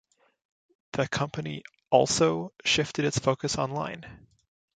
The company also shifted its focus online.